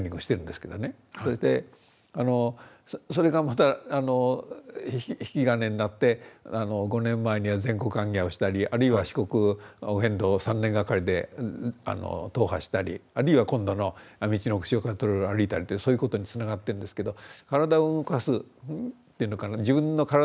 それでそれがまた引き金になって５年前には全国行脚をしたりあるいは四国お遍路を３年がかりで踏破したりあるいは今度の「みちのく潮風トレイル」歩いたりそういうことにつながってるんですけど体を動かすっていうのかな自分の体を鍛えるというのがね